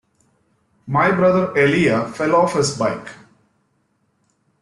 My brother Elijah fell off his bike.